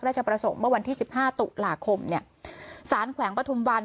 ราชประสงค์เมื่อวันที่สิบห้าตุลาคมเนี่ยสารแขวงปฐุมวัน